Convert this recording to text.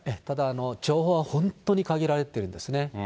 ただ、情報は本当に限られてるんですね。